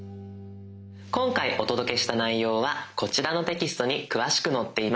今回お届けした内容はこちらのテキストに詳しく載っています。